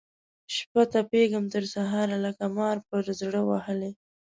شپه تپېږم تر سهاره لکه مار پر زړه وهلی